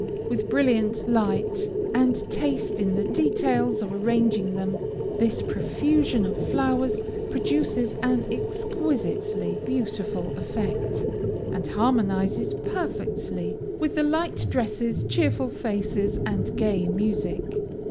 With brilliant light, and taste in the details of arranging them, this profusion of flowers produces an exquisitely beautiful effect, and harmonizes perfectly with the light dresses, cheerful faces, and gay music.